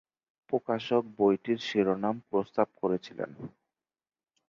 প্রকাশক বইটির শিরোনাম প্রস্তাব করেছিলেন।